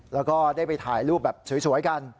แล้วก็ได้ไปถ่ายรูปแบบสวยกัน